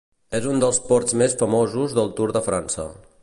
És un dels ports més famosos del Tour de França.